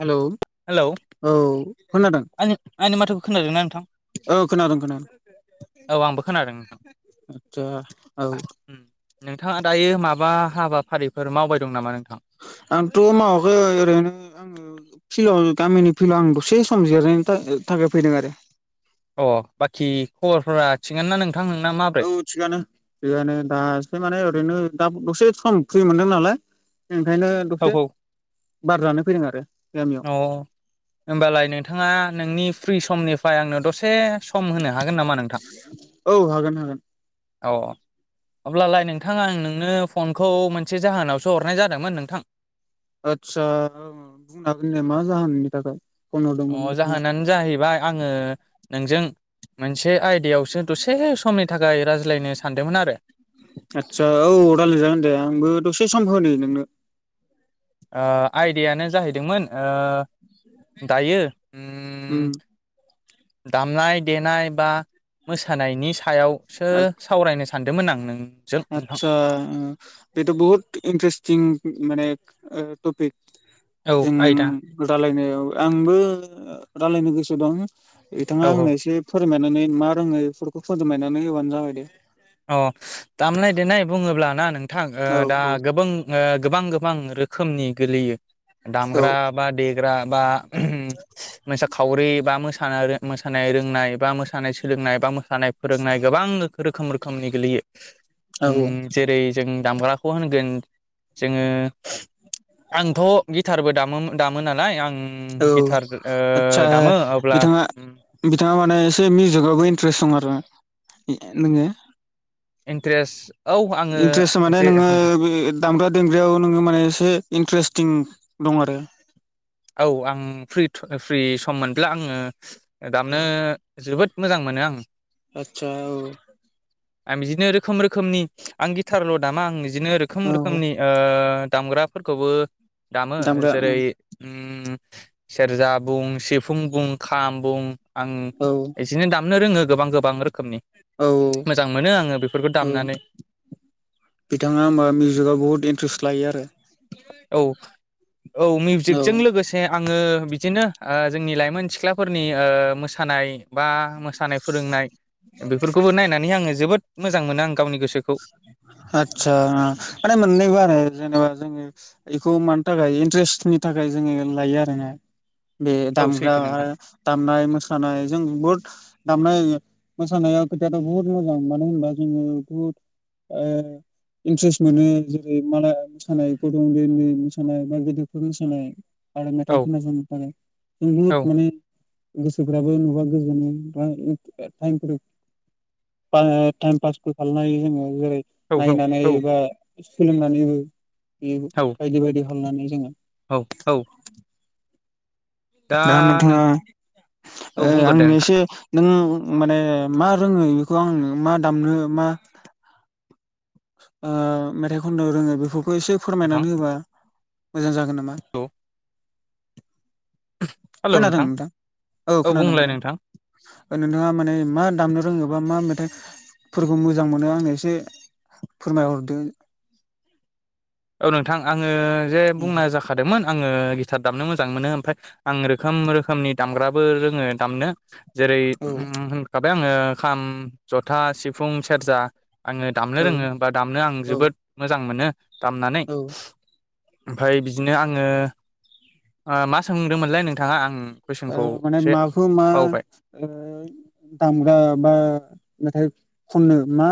हेल'! Hello औ खोनादों? आंनि आंनि माथोखौ खोनादोंना नोंथां? औ खोनादों खोनादों। औ आंबो खोनादों आदसा औ नोंथां नोंथाङा दायो मा बा हाबाफारिफोर मावबाय दं नामा नोंथां? आंथ' मावाखै ओरैनो आङ फिल्डआव गामिनि फिल्डआव आं दसे सम जिरनायनो थाखाय फैदों आरो। अ बाखि खबरफोरा थिगानो ना नों औ थिगानो थिगानो दासो माने ओरैनो दा दसे सम फ्रि मोनदों नालाय ओंखायनो औ दसे औ बार जानो फैदों आरो। गामियाव अ होनोमबालाय नोंथाङा नोंनि फ्रि समनिफ्राय आंनो दसे सम होनो हागोन नामा नोंथां? औ हागोन हागोन औ। अब्लालाय नोंथां आं नोंनो फनखौ मोनसे जाहोनावसो हरनाय जादोंमोन नोंथां आदसा बुंनो हागोन ने मा जाहोननि थाखाय? फन अ हरदोंमोन बिथाङा जाहोनानो जाहैबाय आङो नोंजों मोनसे आयदायाव सो दसे समनि थाखाय रायज्लायनो सानदोंमोन आरो। आदसा औ रायलायजागोन दे आंबो दसे सम होनो नोंनो ओ आयदायानो जाहैदोंमोन ओ दायो उम दामनाय देनाय बा मोसानायनि सायावसो सावरायनो सानदोंमोन आं नों आतसा बेथ' बहुत इन्टारेसथिं माने टपिक औ जों आयदा रायलायनायाव आंबो रायलायनो गोसो दं बिथाङा औ औ आंनो एसे फोरोंमायनानै मा रोङो बेफोरखौ फोदायनानै होबानो जाबाय दे अ दामनाय देनाय बुङोब्ला ना नोंथां औ दा औ गोबां गोबां गोबां रोखोमनि गोलैयो दामग्रा औ बा देग्रा बा मोसाखावरि बा मो मोसानाय रोंनाय बा मोसानाय सोलोंनाय बा मोसानाय फोरोंनाय गोबां रोखोम रोखोमनि गोलैयो औ जेरै जों दामग्राखौ होनगोन जोङो आंथ' गिटारबो दामो दामो नालाय आं औ गिटार आदसा दामो अब्ला बिथाङा बिथाङा माने एसे मिउजिकआवबो इन्ट्रेस्ट दं आरो नोङो इन्ट्रेस्ट औ आङो इन्ट्रेस्ट माने जे नोङो बे दामग्रा देग्रायाव नोङो माने एसे इन्ट्रेस्टिं दं आरो औ आं फ्रि फ्रि सम मोनब्ला आङो दामनो जोबोद मोजां मोनो आं। आतसा औ आं बिदिनो रोखोम रोखोमनि आं गिटारल' दामा आं इदिनो रोखोम औ रोखोमनि ओ दामग्राफोरखौबो दामो दामग्रा जेरै- ओम सेरजा बुं सिफुं बुं खाम बुं आं औ एसेनो दामनो रोङो गोबां गोबां रोखोमनि औ मोजां मोनो आङो बेफोरखौ औ दामनानै बिथाङा होमबा मिउजिकआव बहुत इन्ट्रेस्ट लायो आरो। औ औ औ मिउजिकजों लोगोसे आङो बिदिनो ओ जोंनि लाइमोन सिख्लाफोरनि ओ मोसानाय बा मोसानाय फोरोंनाय बेफोरखौबो नायनानै आङो जोबोद मोजां मोनो आं गावनि गोसोखौ आदसा माने मोननैबो आरो जेनेबा जोङो इखौ मानि थाखाय इन्ट्रेस्टनि था खाय जोङो लायो आरोना बे औ दामग्रा सैथो नोंथां आरो दामनाय मोसानाय जों बुहुद दामनाय मोसानाया खोथायाथ' बुहुत मोजां मानो होनबा जोङो बुहुद ओ इन्ट्रेस्ट मोनो जेरै- मालाय मोसानाय [inaudible] उन्दै उन्दै मोसानाय बा गेदेरफोर मोसानाय आरो औ मेथाइ खोनासंनो थाखाय जों औ बहुद माने गोसोफ्राबो नुबा गोजोनो [inaudible] टाइमफोर आङो टाइम पासबो खालामनो हायो जोङो। जेरै- औ औ नायनानै औ एबा सोलोंनानैबो बे औ बायदि बायदि [inaudible] जोङो औ औ दा नोंथाङा औ ओ बुंगोरदो आंनो नोंथां एसे नों माने मा रोङो बेखौ आं मा दामनो मा ओ मेथाइ खननो रोङो बेखौ खौ एसे नोंथां फोरमायनानै होबा मोजां जागोन नामा औ खोनादों नोंथां औ खोनादों बुंलाय नोंथां खोनादों ओ नोंथाङा माने मा दामनो रोङोबा मा मे थाय फोरखौ मोजां मोनो आंनो एसे फोरमायहरदो औ नोंथां आङो जे ए बुंनाय जाखादोंमोन आङो गिटार दामनो मोजां मोनो ओमफाय आं रोखोम रोखोमनि दामग्राबो रोङो दामनो जेरै- औ ओम होनखाबाय आङो खाम जथा सिफुं सेरजा आङो दामनो औ रोङो बा दामनो आं औ जोबोद मोजां मोनो दामनानै औ ओमफाय बिदिनो आङो ओ मा सोंदोंमोनलाय नोंथाङा आं ओ कुइसनखौ माने एसे माखौ मा बावबाय ओ दामग्रा बा मेथाइ खननो मा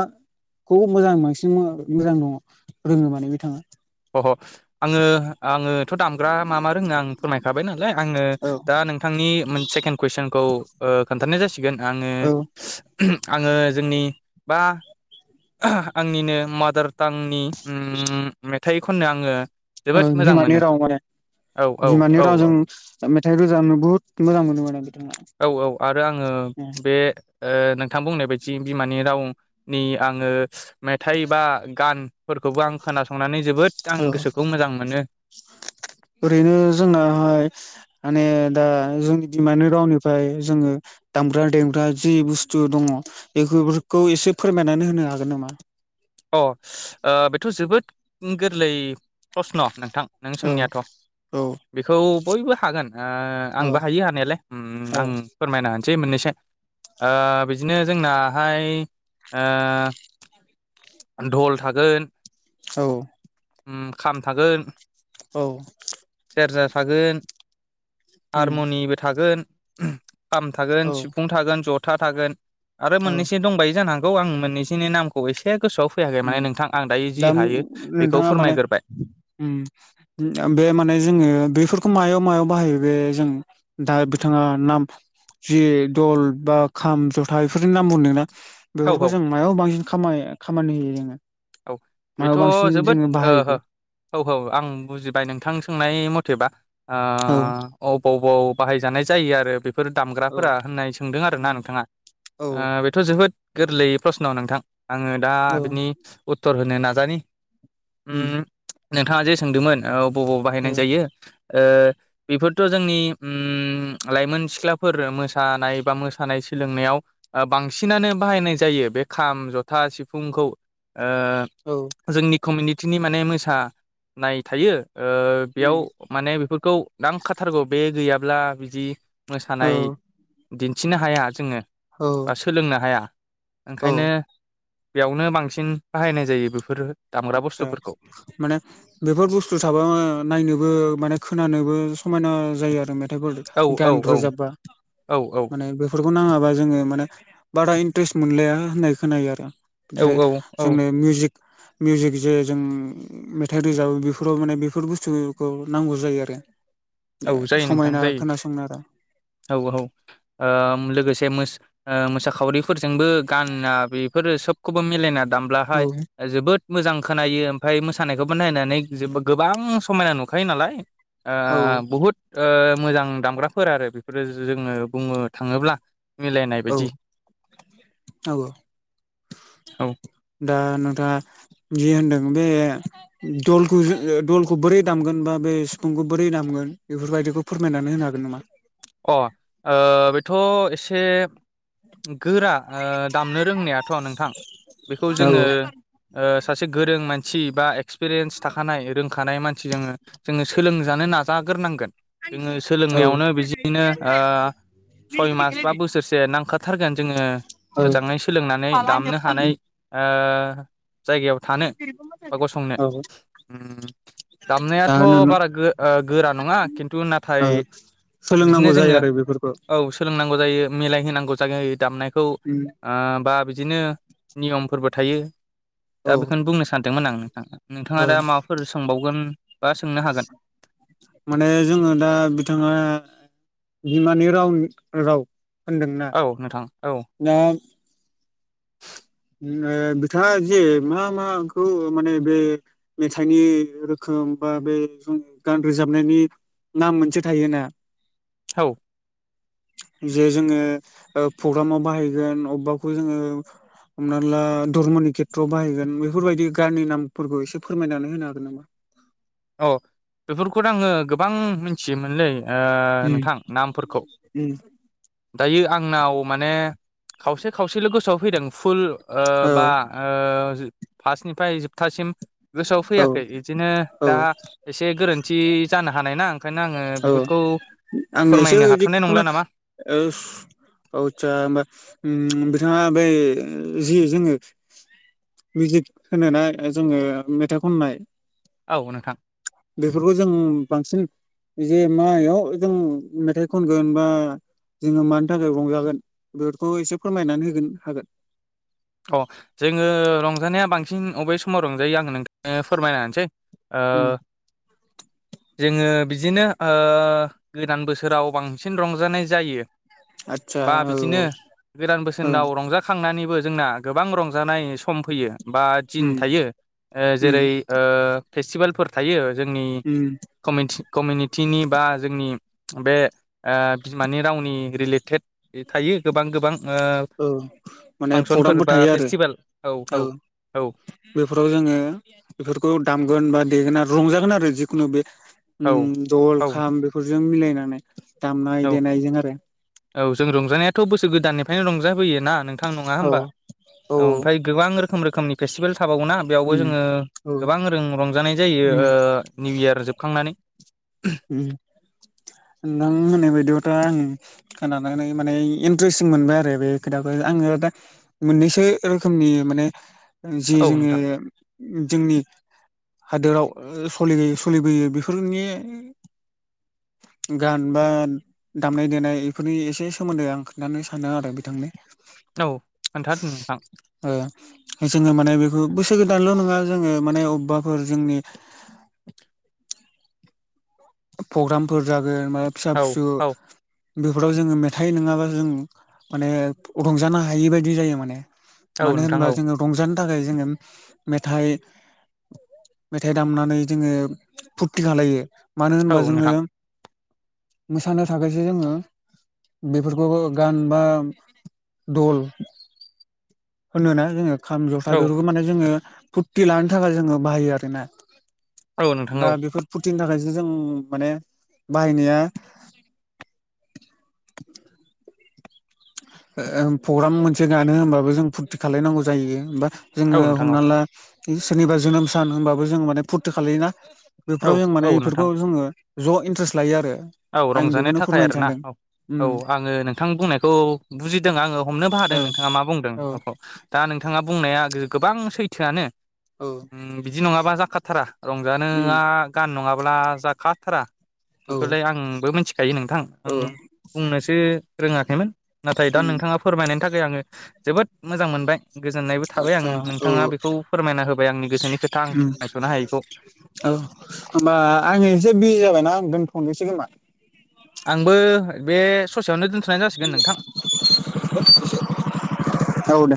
खौ मोजां बांसिन मोजां दङ रोङो माने बिथाङा अ आङो आङो थ' दामग्रा मा मा रोङो आं फोरमायखाबाय नालाय आङो औ दा नोंथांनि मोन सेकेण्ड कुइसनखौ ओ खोन्थानाय जासिगोन आङो औ आङो जोंनि बा आंनिनो मादार टांनि ओ मेथाइ खननो आङो ओ जोबोद मोजां बिमानि मोनो राव माने औ औ बिमानि औ औ रावजों मेथाइ रोजाबनो बुहुत मोजां मोनो माने बिथांआ ओ बे ओ नोंथां बुंनाय बायदि बिमानि राव नि आंङो मेथाइ बा गान फोरखौबो आं खोनासंनानै जोबोद आं औ गोसोखौ मोजां मोनो। ओरैनो जोंनाहाय माने दा जोंनि बिमानि रावनिफ्राय जोंङो दामग्रा देग्रा जि बुस्थु दंङ बेफोरखौ एसे फोरमायनानै होनो हागोन नामा? अ ओ बेथ जोबोद गोरलै प्रस्न नोंथां। नों औ सोंनायाथ औ बेखौ बयबो हागोन। ओ औ आंबो हायो हानायालाय उम आं फोरमायना होनोसै मोननैसो। ओ बिदिनो जोंनाहाय ओ धल थागोन। औ। उम खाम थागोन। औ। सेरजा थागोन [unintelligible] उम हारमनिबो थागोन। फाम थागोन औ सिफुं थागोन जथा थागोन आरो औ मोननैसो दंबायो जानांगौ आं मोननैसोनि नामखौ एसे गोसोआव फैयाखै माने उम नोंथां आं दायो जि दा हायो बेखौ नोंथाङा माने फोरमायग्रोबाय बे माने जोंङो बेफोर मायाव मायाव बाहायो बे जों दा बिथाङा नाम जि दल बा खाम जथा बेफोरनि नाम बुंदों ना औ बेफोरखौ जों मायाव बांसिन खाम खामानि होयो जोंङो औ बेथ' जोबोद ओ हो बाहायो औ औ आं बुजिबाय नोंथां सोंनाय मथेबा औ ओ अबाव बबाव बाहायजानाय जायो आरो बेफोर फोर औ दामग्राफोरा होननाय सोंदों आरो ना नोंथाङा औ ओ बेथ' जोबोद गोरलैयै प्रसन' नोंथां आंङो दा औ बिनि उत्तर होनो नाजानि उम [unintelligible] नोंथाङा जे सोंदोंमोन बबाव ओ बाहायनाय जायो ओ बेफोरथ' जोंनि उम लाइमोन सिख्लाफोर मोसानाय बा मोसानाय सोलोंनायाव ओ बांसिनानो बाहायनाय जायो बे खाम जथा सिफुंखौ औ ओ जोंनि कमिउनिटिनि माने मोसानाय थायो। ओ बेयाव उम माने बेफोरखौ नांखाथारगौ बे गैयाब्ला बिदि मोसानाय औ दिन्थिनो हाया जोंङो। बा औ सोलोंनो हाया ओंखायनो औ बेयावनो बांसिन बाहायनाय जायो बेफोर दामग्रा आदसा बुस्थुफोरखौ माने बेफोर बुस्थु थाबा नायनोबो माने खोनानोबो समायना जायो आरो मेथ थाइफोर औ औ गान औ रोजाबबा औ औ माने बेफोरखौ नांङाबा जोंङो माने बारा इन इन्ट्रेस्ट मोनलाया होननाय खोनायो आरो जे औ औ जोंनो मिउजिक मिउजिक जे जों मेथाइ रोजाबो बेफोराव माने बेफोर बुस्थुखौ नांगौ जायो आरो। औ जायो नोंथां समायना जायो खोनासंनो आरो औ औ ओ लोगोसे मो ओ मोसाखावरिफोरजोंबो गाना बेफोरो सोबखौबो मिलायना औ दामब्लाहाय जोबोद मोजां खोनायो ओमफ्राय मोसानायखौबो नायनानै जोब गोबां समायना नुखायो नालाय? ओ औ बहुद ओ मोजां दामग्राफोर आरो बेफोरो जोंङो बुंनो थांङोब्ला। औ औ औ दा नोंथाङा जि होनदों बे दलखौ जो दलखौ बोरै दामगोन बा बे सिफुंखौ बोरै दामगोन बेफोरबाय दिखौ फोरमायनानै होनो हागोन नामा? अ, ओ बेथ एसे गोरा ओ दामनो रोंनायाथ' नोंथां। बेखौ औ जोंङो ओ सासे गोरों मान सि बा एक्सपिरियेन्स थाखानाय रोंखानाय मानसि जोंङो जोंङो सोलोंजानो नाजाग्रोनांगोन। जोङो औ सोलोंनायावनो बिदि नों ओ सयमास बा बोसोरसे नांखा थारगोन। जोङो औ मोजाङै सोलोंनानै दामनो हानाय ओ जायगायाव थानो बा गसंनो। औ उम दा दामनायाथ' बारा गो ओ गोरा नङा खिन्थु नाथाय बिदिनो सोलोंनांगौ जायो जोङो आरो बेफोरखौ औ सोलोंनांगौ जा यो, मिलाय होनांगौ जायो दामनायखौ उम ओ बा बिदिनो नियमफोरबो थायो दा औ बेखौनो बुंनो सानदोंमोन आं नोंथां। औ नोंथाङा दा माबाफोर सोंबावगोन बा सोंनो हागोन। माने जोङो दा बिथाङा बिमानि राव राव होनदोंना? औ नोंथां औौ दा ओ बिथाङा जे मा माखौ माने बे मेथाइनि रोखोम बा बे जोङो गान रोजाबनायनि नाम मोनसे थायोना? औ। जे जोङो ओ प्रग्रामाव बाहायगोन अबेबाखौ जोङो हमना ला धर्मनि खेथ्रआव बाहायगोन बेफोरबायदि गाननि नामफोरखौ एसे फोरमायनानै होनो हागोन नामा? अ बेफोरखौथ' आङो गोबां मिथियोमोनलै ओ उम नोंथां नामफोरखौ। उम दायो आंनाव माने खावसे खावसेल' गोसोआव फैदों। फुल ओ औ बा ओ फास्टनिफ्राय जोबथासिम गोसोआव औ फैयाखै बिदिनो औ दा एसे गोरोन्थि जानो हानाय ना ओंखायनो आङो औ बेफोरखौ आंनो एसे फोरमायनो हाथ'नाय नंला जिखुनु नामा ओ आसा होमबा उम बिथाङा बै जि जोङो मिउजिक होनोना जोङो मेथाइ खननाय औ नोंथां बेफोरखौ जों बांसिन जे मायाव जों मेथाइ खनगोन बा जोङो मानि थाखाय रंजागोन बेफोरखौ एसे फोरमायनानै होगोन हागोन? अ जोङो रंजानाया बांसिन अबे समाव रंजायो आङो नों थांनो फैरमाइना होनोसै। ओ उम जोङो बिदिनो ओ गोदान बोसोराव बांसिन रंजानाय जायो। आदसा बा औ बिदिनो गोदान औ बोसोराव रंजाखांनानैबो जोंना गोबां रंजानाय सम फैयो‌। बा दिन उम थायो ओ उम जेरै ओ फेस्टिभेलफोर थायो। जोंनि उम कमिटि कमिउनिटिनि बा जोंनि बे ओ बिमानि रावनि रिलेटेड थायो गोबां गोबां ओ औ माने फांसनफोर प्रग्रामबो बा थायो आरो फेस्टिभेल औ औ औ बेफोराव जोङो बेफोरखौ दामगोन बा, देगोना रंजा गोन आरो जिखुनु बे उम औ दल, औ खाम बेफोरजों मिलायनानै दामनाय औ देनायजों आरो औ जों रंजानाया थ' बोसोर गोदाननिफ्रायनो रंजाबोयो ना नोंथां नङा औ होमबा? औ ओमफ्राय गोबां रोखोम म रोखोमनि फेटिभेल थाबावोना बेयावबो उम जोङो औ गोबां जों रंजानाय जायो उम निउ इयार जोबखांनानै नों होननाय बायदिबा दा आं खोनानै मानि इनटारेस्ट मोनबाय आरो बे खोथाखौ, आङो दा मोननैसो रोखोमनि माने जि औ जोङो नोंथां जोंनि हादोराव सलि सोलिबोयो बेफोरनि [inaudible] गान बा दामनाय-देनाय बेफोरनि एसे सोमोन्दै आं खिथानो सानो आरो बिथांनो। औ खोन्थादों नोंथां ओ जोङो माने बे बोसोर गोदानल' नङा जोङो माने अबेबाफोर जोंनि प्रग्रामफोर जागोन बा फिसा औ फिसौ औ बेफोराव जोङो मेथाइ नङाबा जों माने रंजानो हायि बायदि जायो माने औ मानो नोंथां होनबा औ जोङो रंजानो थाखाय जोङो मेथाइ मेथाइ दामनानै जोङो फुरथि खालायो मानो औ होनबा जोङो नोंथां मोसानो थाखायसो जोङो बेफोरखौ गान बा दल होनोना जोङो खाम-जथा औ बेफोरखौ माने जोङो फुरथि लानो थाखाय जोङो बाहायो आरोना औ नोंथां दा औ बेफोर फुरथिनि थाखाय जों मानो बाहायनाया ओ प्रग्राम मोनसे गानो होनबाबो जों फुरथि खालायनांगौ जायो बा जोङो औ नोंथां हमना ला सोरनिबा जोनोम सान होनबाबो जोङो माने फुरथि खालायो ना औ बेफोराव जों औ माने बेफोरखौ नोंथां जोङो ज' इन्ट्रेस्ट लायो आरो। औ आं रंजानो बेखौनो थाखाय फोरमायनो आरोना सानदों औ औ उम आङो नोंथां बुंनायखौ बुजिदों आङो हमनोबो हादों ओ नोंथाङा मा बुंदों औ दा नोंथा ङा बुंनाया गोबां सैथोआनो औ बिदि नङाबा जाखाथारा रंजानो उम गान नङाब्ला जाखा थारा औ बेखौलाय आंबो मिथिखायो नोंथां औ बुंनोसो रोङाखैमोन, नाथाय दा उम नोंथाङा फोरमायनायनि थाखाय आङो जोबोद मोजां मोनबाय गोजोननायबो थाबाय आं आतसा औ नोंथाङा बेखौ फोरमायना होबाय आंनि गोसोनि खोथा आं फोरमायस'नो हायैखौ औ होमबा आं एसे बिजि जाबायना खनबेसे गोमा आंबो बे ससेयावनो दोनथ'नाय जासिगोन नोंथां [inaudible] औ दे